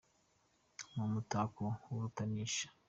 Ni umutako w’urutanisha